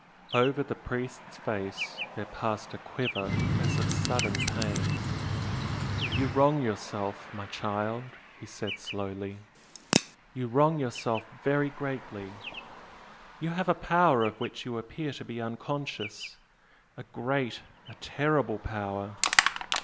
Over the priest's face there passed a quiver as of sudden pain. "You wrong yourself, my child" he said, slowly "You wrong yourself very greatly! You have a power of which you appear to be unconscious a great, a terrible power!